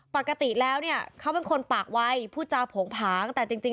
ปกติแล้วเนี่ยเขาเป็นคนปากวัยพูดจาโผงผางแต่จริง